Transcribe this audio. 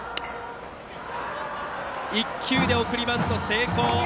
１球で送りバント成功。